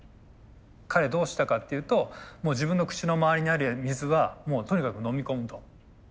彼どうしたかっていうともう自分の口の周りにある水はとにかく飲み込むと。